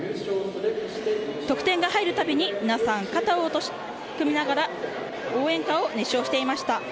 得点が入るたびに皆さん肩を組みながら応援歌を熱唱していました。